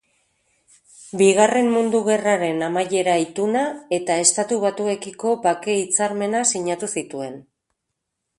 Bigarren Mundu Gerraren amaiera-ituna eta Estatu Batuekiko bake-hitzarmena sinatu zituen.